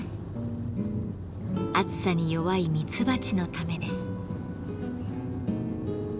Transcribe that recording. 暑さに弱いミツバチのためです。